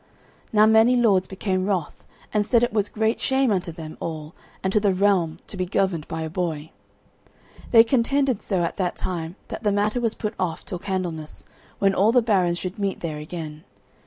Now many lords became wroth, and said it was great shame unto them all and to the realm to be governed by a boy. They contended so at that time that the matter was put off till Candlemas, when all the barons should meet there again.